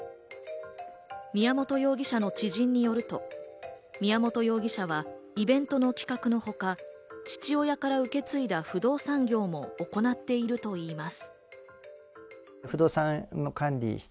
宮本容疑者の知人によると、宮本容疑者はイベントの企画のほか、父親から受け継いだ不動産業も行っているといいます。